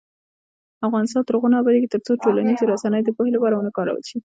افغانستان تر هغو نه ابادیږي، ترڅو ټولنیزې رسنۍ د پوهې لپاره ونه کارول شي.